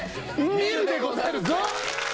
見るでござるゾ！